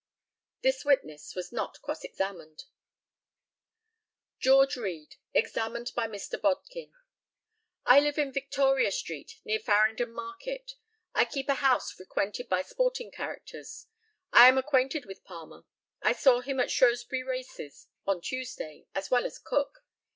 This witness was not cross examined. George Read, examined by Mr. BODKIN: I live in Victoria street, near Farringdon market. I keep a house frequented by sporting characters. I am acquainted with Palmer. I saw him at Shrewsbury races on Tuesday, as well as Cook.